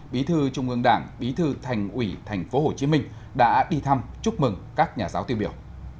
bí thư trung ương đảng bí thư thành ủy tp hcm đã đi thăm chúc mừng các nhà giáo tiêu biểu